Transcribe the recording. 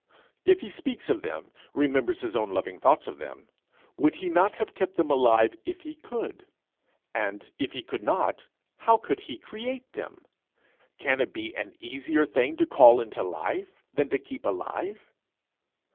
If he speaks of them, remembers his own loving thoughts of them, would he not have kept them alive if he could; and if he could not, how could he create them? Can it be an easier thing to call into life than to keep alive?